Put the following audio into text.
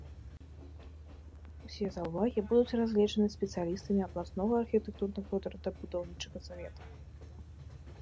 Усе заўвагі будуць разгледжаныя спецыялістамі абласнога архітэктурна-горадабудаўнічага савета.